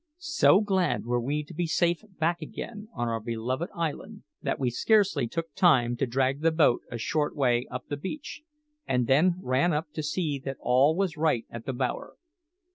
So glad were we to be safe back again on our beloved island that we scarcely took time to drag the boat a short way up the beach, and then ran up to see that all was right at the bower.